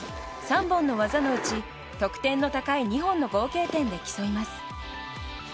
３本の技のうち得点の高い２本の合計点で競います。